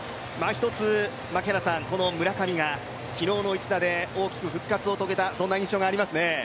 この村上が昨日の一打で大きく復活を遂げた、そんな印象がありますね。